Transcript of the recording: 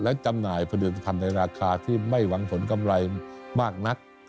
และจำหน่ายผลิตภัณฑ์ในราคาที่ไม่หวังผลกำไรมากนัก